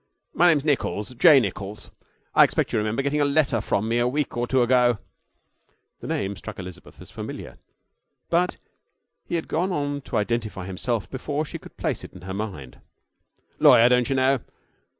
'My name's Nichols J. Nichols. I expect you remember getting a letter from me a week or two ago?' The name struck Elizabeth as familiar. But he had gone on to identify himself before she could place it in her mind. 'Lawyer, don't you know.